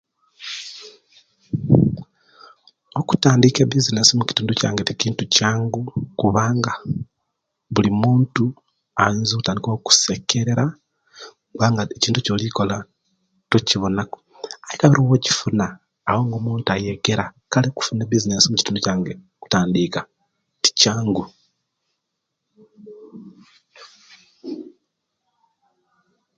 Okutandika ebizinesi mukitundu kyange tikintu kyangu kubanga buli muntu ayinza okutandika okusekerera kubanga ekintu ekyolikola tokibona ku aye kabiri awokifuna awo nga omuntu ayekera kale okufuna ebizinesi mukitundu kyange okutandika tikyangu